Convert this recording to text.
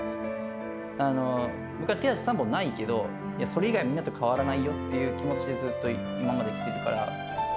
僕は手足３本ないけど、それ以外みんなと変わらないよっていう気持ちで、ずっと今まで生きてるから。